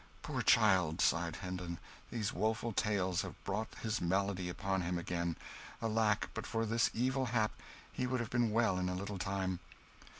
"Poor child," sighed Hendon, "these woeful tales have brought his malady upon him again; alack, but for this evil hap, he would have been well in a little time."